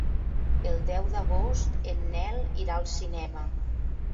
El deu d'agost en Nel irà al cinema.